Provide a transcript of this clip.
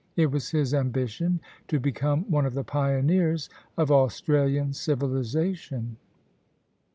It was his ambition to become one of the pioneers of Australian civilisation.